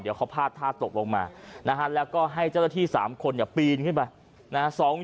เดี๋ยวเขาพาดท่าตกลงมานะฮะแล้วก็ให้เจ้าหน้าที่๓คนปีนขึ้นไปนะฮะ